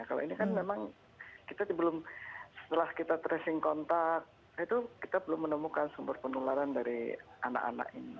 kalau ini kan memang kita belum setelah kita tracing kontak itu kita belum menemukan sumber penularan dari anak anak ini